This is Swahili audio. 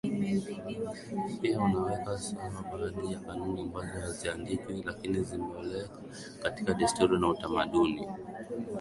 pia unaweka sawa baadhi ya kanuni ambazo haziandikwi lakini zimezoeleka katika desturi na utamaduni